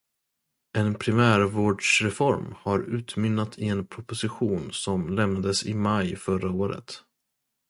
En primärvårdsreform har utmynnat i en proposition som lämnades i maj förra året.